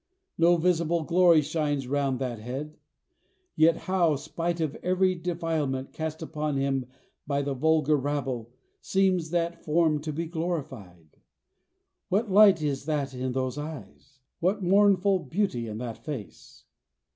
No visible glory shines round that head; yet how, spite of every defilement cast upon him by the vulgar rabble, seems that form to be glorified! What light is that in those eyes! What mournful beauty in that face!